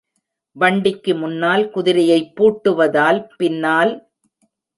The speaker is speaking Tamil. வண்டிக்கு முன்னால் குதிரையைப் பூட்டுவதால் பின்னால்.